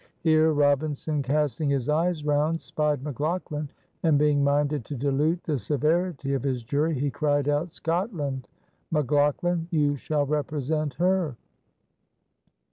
Here Robinson, casting his eyes round, spied McLaughlan, and, being minded to dilute the severity of his jury, he cried out, "Scotland. McLaughlan, you shall represent her."